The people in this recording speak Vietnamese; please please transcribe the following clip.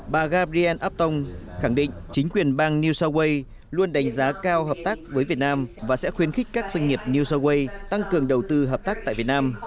bà gabriel abtong khẳng định chính quyền bang new south wales luôn đánh giá cao hợp tác với việt nam và sẽ khuyến khích các doanh nghiệp new south wales tăng cường đầu tư hợp tác tại việt nam